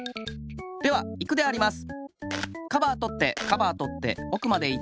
ではいくであります。